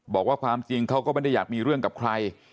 บอกว่าความจริงเขาก็ไม่ได้อยากมีเรื่องกับใคร